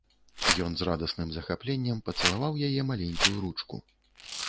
Ён з радасным захапленнем пацалаваў яе маленькую ручку.